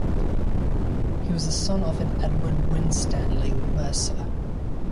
He was the son of an Edward Winstanley, mercer.